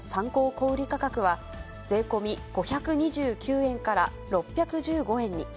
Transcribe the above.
小売り価格は税込み５２９円から６１５円に。